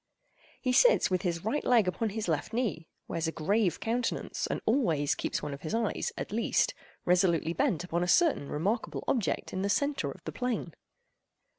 He sits with his right leg upon his left knee, wears a grave countenance, and always keeps one of his eyes, at least, resolutely bent upon a certain remarkable object in the centre of the plain.